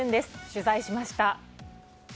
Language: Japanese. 取材しました。